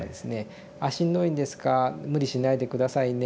「しんどいんですか無理しないで下さいね